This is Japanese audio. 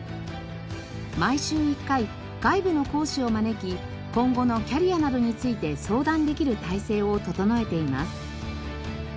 毎週１回外部の講師を招き今後のキャリアなどについて相談できる体制を整えています。